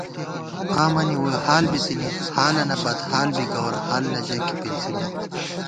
قامَنی ووئی حال بِتِنی حالَنہ بدحال بی گوَرحال نہ ژَئیکےپِنڅِمېت